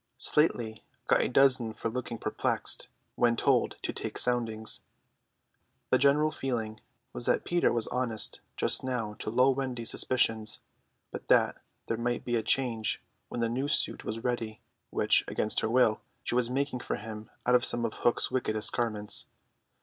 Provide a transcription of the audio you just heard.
Slightly got a dozen for looking perplexed when told to take soundings. The general feeling was that Peter was honest just now to lull Wendy's suspicions, but that there might be a change when the new suit was ready, which, against her will, she was making for him out of some of Hook's wickedest garments.